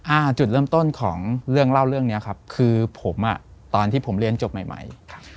อ่าจุดเริ่มต้นของเรื่องเล่าเรื่องเนี้ยครับคือผมอ่ะตอนที่ผมเรียนจบใหม่ใหม่ครับ